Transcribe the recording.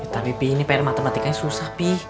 tapi pi ini pr matematikanya susah pi